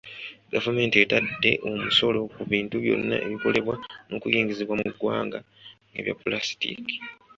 Gavumenti etadde omusolo ku bintu byonna ebikolebwa n’okuyingizibwa mu ggwanga nga bya Pulasitiiki.